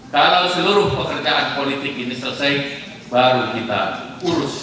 kalau seluruh pekerjaan politik ini selesai baru kita urus